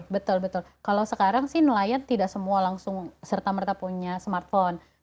betul betul kalau sekarang sih nelayan tidak semua langsung serta merta punya smartphone